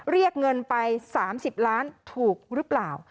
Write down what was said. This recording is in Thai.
เรียกเงินไป๓๐ล้านถูกหรือเปล่า